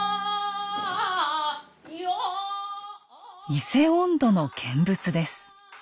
「伊勢音頭」の見物です。